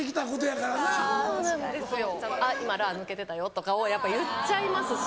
「今『ら』抜けてたよ」とかをやっぱ言っちゃいますし。